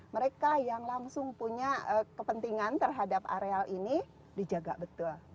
mereka yang langsung punya kepentingan terhadap areal ini dijaga betul